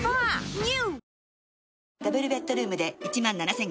ＮＥＷ！